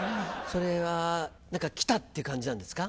それは何かきたって感じなんですか？